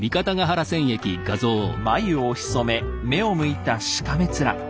眉をひそめ目をむいたしかめ面。